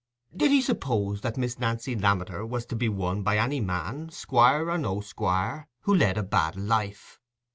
Did he suppose that Miss Nancy Lammeter was to be won by any man, squire or no squire, who led a bad life?